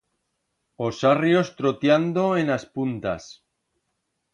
Os sarrios trotiando en as puntas.